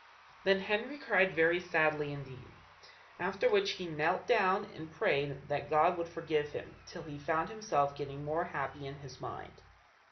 Then Henry cried very sadly indeed. After which he knelt down and prayed that God would forgive him, till he found himself getting more happy in his mind.